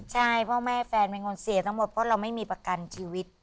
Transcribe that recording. ใช่เพราะแม่แฟนเป็นคนเสียทั้งหมดเพราะเราไม่มีประกันชีวิต